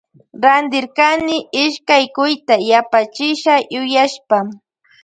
Rantirkni ishkay cuyta yapachisha yuyashpa.